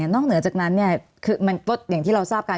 นอกเหนือจากนั้นคืออย่างที่เราทราบกัน